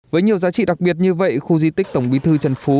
với nhiều giá trị đặc biệt như vậy khu di tích tổng bí thư trần phú